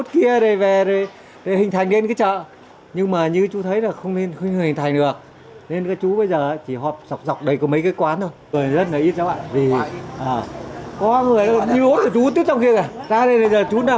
cho nhìn nó lọc dọc mấy cái cổng chợ